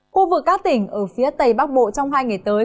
khu vực các tỉnh ở phía tây bắc bộ trong hai ngày tới